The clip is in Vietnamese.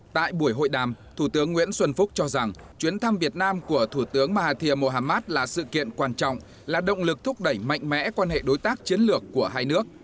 tại buổi hội đàm thủ tướng nguyễn xuân phúc cho rằng chuyến thăm việt nam của thủ tướng mahathir mohamad là sự kiện quan trọng là động lực thúc đẩy mạnh mẽ quan hệ đối tác chiến lược của hai nước